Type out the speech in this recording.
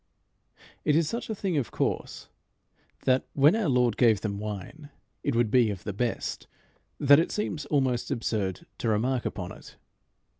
'" It is such a thing of course that, when our Lord gave them wine, it would be of the best, that it seems almost absurd to remark upon it.